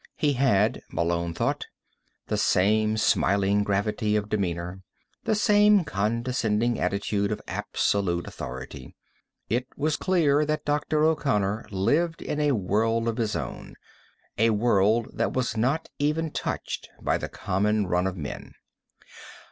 He had, Malone thought, the same smiling gravity of demeanor, the same condescending attitude of absolute authority. It was clear that Dr. O'Connor lived in a world of his own, a world that was not even touched by the common run of men.